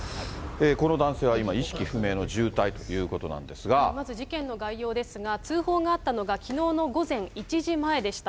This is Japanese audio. この男性は今、意識不明の重体とまず事件の概要ですが、通報があったのがきのうの午前１時前でした。